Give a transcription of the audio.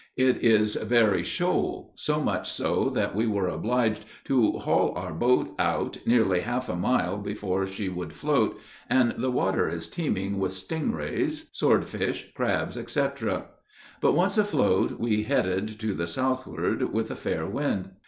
It is very shoal, so much so that we were obliged to haul our boat out nearly half a mile before she would float, and the water is teeming with stingarees, sword fish, crabs, etc. But once afloat, we headed to the southward with a fair wind.